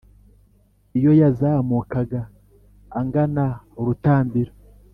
Iyo yazamukaga agana urutambiro,